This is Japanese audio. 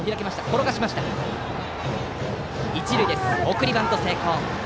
送りバント成功。